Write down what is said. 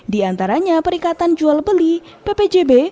diantaranya perikatan jual beli ppjb